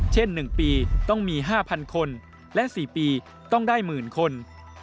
เช่น๑ปีต้องมี๕๐๐คนและ๔ปีต้องได้หมื่นคน